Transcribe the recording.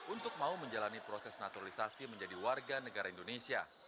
untuk mau menjalani proses naturalisasi menjadi warga negara indonesia